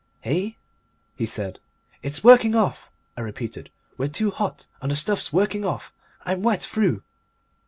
"Eh?" he said. "It's working off," I repeated. "We're too hot and the stuff's working off! I'm wet through."